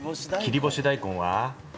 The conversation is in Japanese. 切り干し大根です。